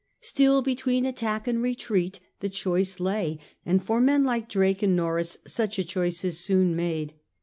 Still between attack and retreat the choice lay, and for men like Drake and Norreys such a choice is soon made.